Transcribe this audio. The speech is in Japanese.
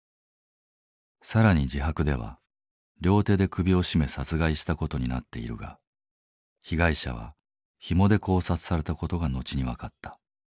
更に自白では両手で首を絞め殺害した事になっているが被害者はひもで絞殺された事が後に分かった。